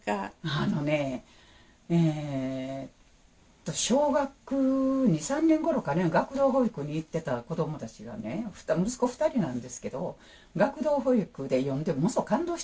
あのね小学２３年頃かな学童保育に行ってた子どもたちがね息子２人なんですけど学童保育で読んでものすごい感動したんでしょう。